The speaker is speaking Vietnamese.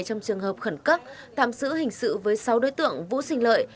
trong trường hợp khẩn cấp tạm xử hình sự với sáu đối tượng vũ sinh lợi